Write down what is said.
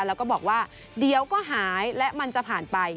แล้วก็บอกว่าเดี๋ยวก็หายและมันจะผ่านไป